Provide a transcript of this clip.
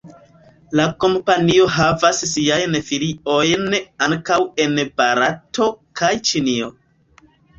La kompanio havas siajn filiojn ankaŭ en Barato kaj Ĉinio.